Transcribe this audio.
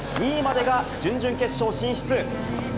２位までが準々決勝進出。